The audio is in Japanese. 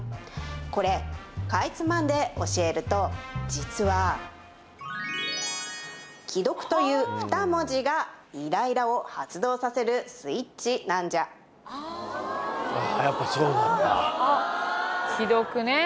これかいつまんで教えると実は既読という２文字がイライラを発動させるスイッチなんじゃああ